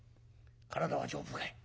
体は丈夫かい？」。